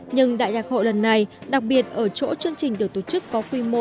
nhưng đại nhạc hội lần này đặc biệt ở chỗ chương trình được tổ chức có quy mô